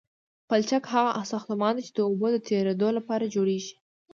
پلچک هغه ساختمان دی چې د اوبو د تیرېدو لپاره جوړیږي